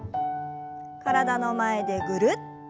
体の前でぐるっと。